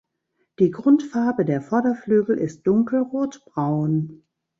Die Grundfarbe der Vorderflügel ist dunkel rotbraun.